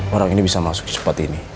orang ini bisa masuk spot ini